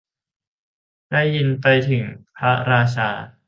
ได้ยินไปถึงพระราชา